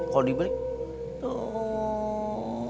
kalo di balik tuh